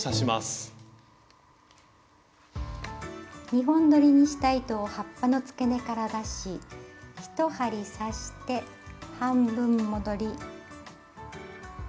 ２本どりにした糸を葉っぱのつけ根から出し１針刺して半分戻り。